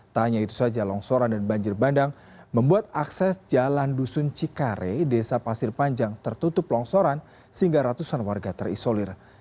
tak hanya itu saja longsoran dan banjir bandang membuat akses jalan dusun cikare desa pasir panjang tertutup longsoran sehingga ratusan warga terisolir